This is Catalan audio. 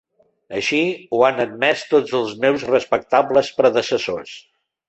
Així ho han admès tots els meus respectables predecessors.